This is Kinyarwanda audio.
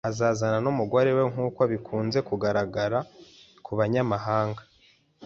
Azazana numugore we, nkuko bikunze kugaragara kubanyamahanga.